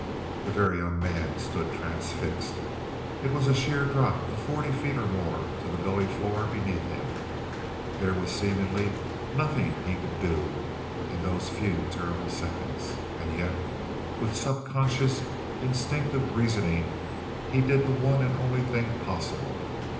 The Very Young Man stood transfixed. It was a sheer drop of forty feet or more to the gully floor beneath him. There was seemingly nothing that he could do in those few terrible seconds, and yet with subconscious, instinctive reasoning, he did the one and only thing possible.